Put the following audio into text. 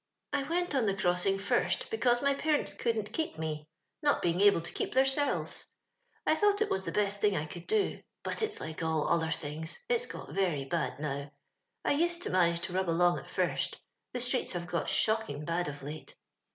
" I went on the crossing first because my parents ^couldn't keep mc, not being able to keep theirselves. I thought it was the best thing I could do, but it's like all other tlungs, it's got very bad now. I used to manage to rub along at first — the streets have got shockin' bad of late.